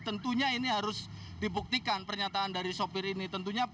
tentunya ini harus dibuktikan pernyataan dari sopir ini